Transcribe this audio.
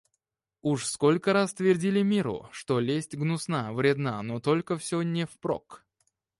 Уж сколько раз твердили миру, что лесть гнусна, вредна; но только всё не впрок